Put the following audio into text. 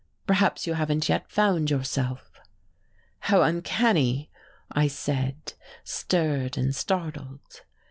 Perhaps you haven't yet found yourself." "How uncanny!" I said, stirred and startled.